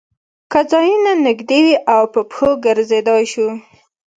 که ځایونه نږدې وي او په پښو ګرځېدای شو.